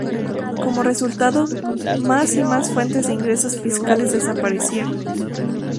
Como resultado, más y más fuentes de ingresos fiscales desaparecieron.